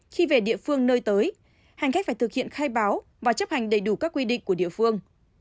khi về địa phương nơi tới hành khách phải thực hiện khai báo và chấp hành đầy đủ các quy định của địa phương